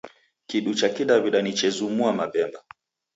Kidu cha kidaw'ida ni chezumua mabemba.